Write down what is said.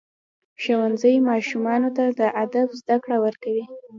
ښوونځی ماشومانو ته د ادب زده کړه ورکوي.